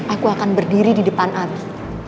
aku akan berdiri di depan abi